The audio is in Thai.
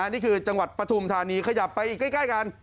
นี่คือจังหวัดปฐุมธานีขยับไปใกล้กัน